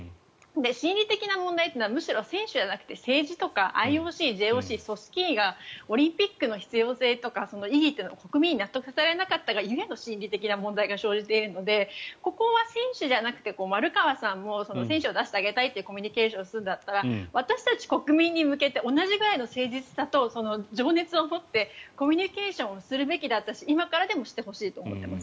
心理的な問題はむしろ選手じゃなくて政治とかＩＯＣ、ＪＯＣ、組織委がオリンピックの必要性とか意義を国民に納得されなかったが故の心理的な問題が生じているのでここは選手じゃなくて丸川さんも選手を出してあげたいとコミュニケーションするのなら私たち国民に向けて同じくらいの誠実さと情熱を持ってコミュニケーションをするべきだし今からでもしてほしいと思っています。